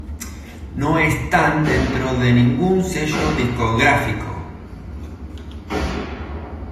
No están dentro de ningún sello discográfico.